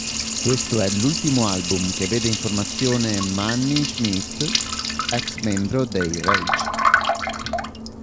Questo è l'ultimo album che vede in formazione Manni Schmidt, ex-membro dei Rage.